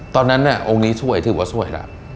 ตอนนั้นเนี่ยองค์นี้ช่วยถือว่าช่วยละ